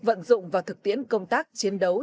vận dụng và thực tiễn công tác chiến đấu